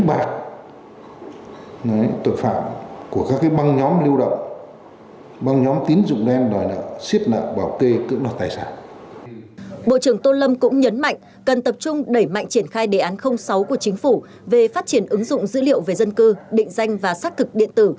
bộ trưởng tô lâm cũng nhấn mạnh cần tập trung đẩy mạnh triển khai đề án sáu của chính phủ về phát triển ứng dụng dữ liệu về dân cư định danh và xác thực điện tử